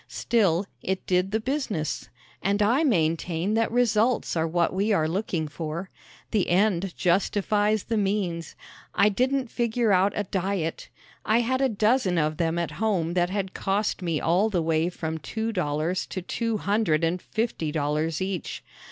Still, it did the business. And I maintain that results are what we are looking for. The end justifies the means. I didn't figure out a diet. I had a dozen of them at home that had cost me all the way from two dollars to two hundred and fifty dollars each.